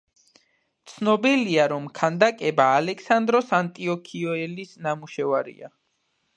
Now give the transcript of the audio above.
ცნობილია, რომ ქანდაკება ალექსანდროს ანტიოქიელის ნამუშევარია.